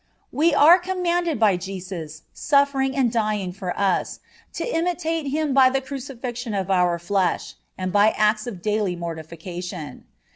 (8) We are commanded by Jesus, suffering and dying for us, to imitate Him by the crucifixion of our flesh, and by acts of daily mortification.